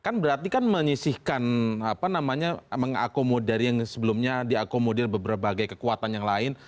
kan berarti kan menyisihkan apa namanya mengakomodir yang sebelumnya diakomodir berbagai kekuatan yang lain